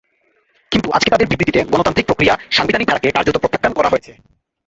কিন্তু আজকে তাঁদের বিবৃতিতে গণতান্ত্রিক প্রক্রিয়া, সাংবিধানিক ধারাকে কার্যত প্রত্যাখ্যান করা হয়েছে।